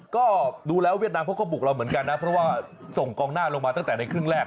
ก็ดูแล้วเวียดนามเขาก็บุกเราเหมือนกันนะเพราะว่าส่งกองหน้าลงมาตั้งแต่ในครึ่งแรก